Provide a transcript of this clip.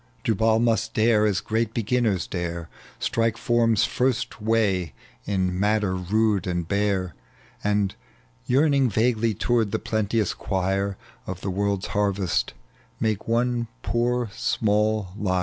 Jubal must dare as great be^nners dare, Strike form's first way in matter mde and bare, And, yearning vaguely toward the plenteous choir Of the world's harvest, make one poor small lyre.